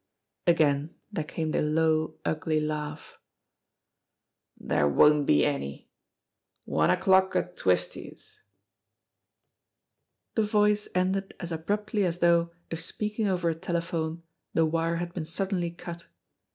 Again there came the low, ugly laugh. "There won't be any! One o'clock at Twisty's " The voice ended as abruptly as though, if speaking over ? telephone, the wire had been suddenly cut.